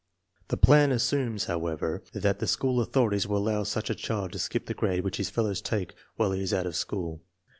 The plan assumes, however, that the school authorities will allow such a child to skip the grade which his fellows take while he is out of school.